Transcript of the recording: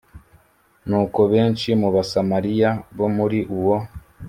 Nuko benshi mu Basamariya bo muri uwo